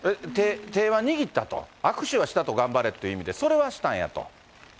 手は握ったと、握手はしたと、頑張れという意味で、それはしたんやと。